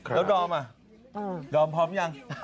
แล้วดอมอ่ะดอมพร้อมยัง